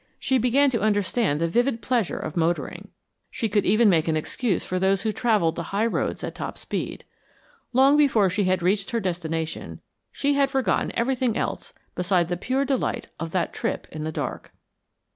She began to understand the vivid pleasure of motoring; she could even make an excuse for those who travelled the high roads at top speed. Long before she had reached her destination she had forgotten everything else beside the pure delight of that trip in the dark.